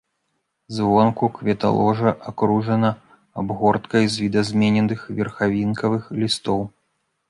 Звонку кветаложа акружана абгорткай з відазмененых верхавінкавых лістоў.